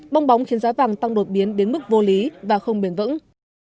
bong bóng khiến giá vàng tăng đột biến đến mức vô lý và không bền vững